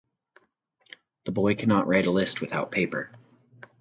The boy cannot write a list without paper